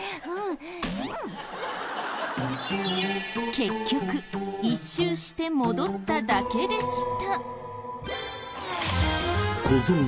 結局１周して戻っただけでした。